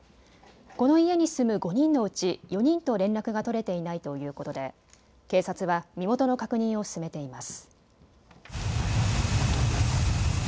この家に住む５人のうち４人と連絡が取れていないということで警察は身元の確認を進めています。